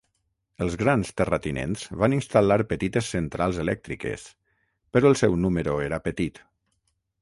Els grans terratinents van instal·lar petites centrals elèctriques, però el seu número era petit.